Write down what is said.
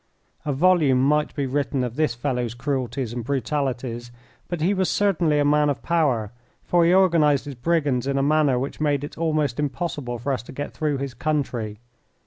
A volume might be written of this fellow's cruelties and brutalities, but he was certainly a man of power, for he organised his brigands in a manner which made it almost impossible for us to get through his country.